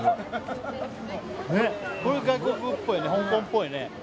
これ外国っぽいね香港っぽいね。